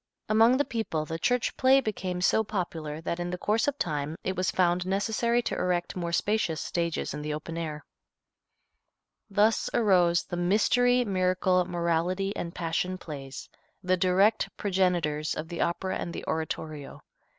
Among the people the church play became so popular that in the course of time it was found necessary to erect more spacious stages in the open air. Thus arose the Mystery, Miracle, Morality and Passion Plays, the direct progenitors of the Opera and the Oratorio.